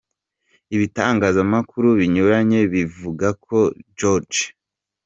Ibitangazamakuru binyuranye bivuga ko George H.